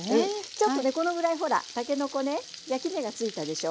ちょっとねこのぐらいほらたけのこね焼き目がついたでしょ？